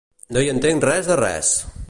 No hi entenc res de res!